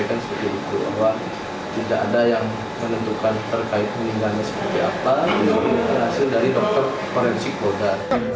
bahwa tidak ada yang menentukan terkait meninggalnya seperti apa menurut hasil dari dokter forensik polda